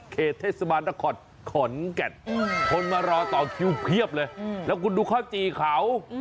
เขตเทศบาลนครขอนแก่นคนมารอต่อคิวเพียบเลยแล้วคุณดูข้าวจี่เขา